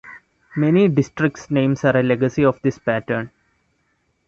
Many districts' names are a legacy of this pattern.